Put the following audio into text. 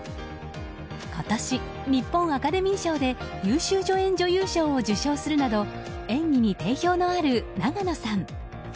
今年、日本アカデミー賞で優秀助演女優賞を受賞するなど演技に定評のある永野さん。